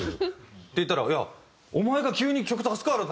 って言ったら「いやお前が急に曲足すから！」。